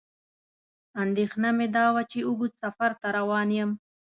اندېښنه مې دا وه چې اوږد سفر ته روان یم.